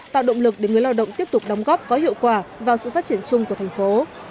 tạo động lực để người lao động tiếp tục đóng góp có hiệu quả vào sự phát triển chung của thành phố